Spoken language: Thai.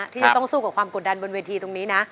ที่จะต้องสู้กับความกดดันบนเวทีตรงนี้นะ